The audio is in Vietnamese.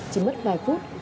chỉ mất vài phút